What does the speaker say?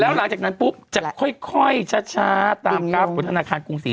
แล้วหลังจากนั้นปุ๊บจะค่อยช้าตามกราฟของธนาคารกรุงศรี